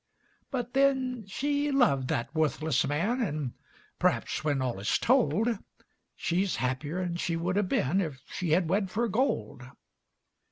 But then she loved that wuthless man, And p'raps, when all is told, She's happier 'n she would 'a' bin If she had wed fer gold.